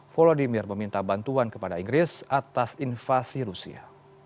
volodymyr meminta bantuan kepada inggris atas invasi rusia